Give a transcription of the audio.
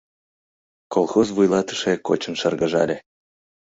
Колхоз вуйлатыше кочын шыргыжале.